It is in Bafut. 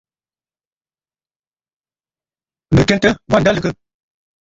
Nɨ̀ kɛntə, wâ ǹda lɨgə.